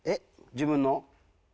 自分の？